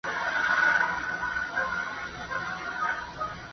چېرته به د سوي میني زور وینو!.